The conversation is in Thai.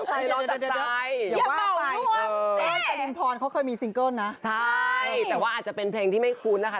ใช่แต่ว่าอาจจะเป็นเพลงที่ไม่คุ้นนะคะ